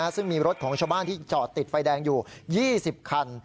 ซึ่งมีรถของชาวบ้านที่จอดติดไฟแดงอยู่๒๐คัน